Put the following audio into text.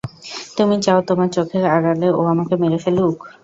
তুমি চাও তোমার চোখের আড়ালে ও আমাকে মেরে ফেলুক?